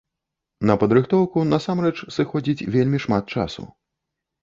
На падрыхтоўку насамрэч сыходзіць вельмі шмат часу.